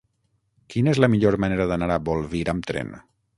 Quina és la millor manera d'anar a Bolvir amb tren?